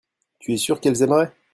tu es sûr qu'elles aimeraient.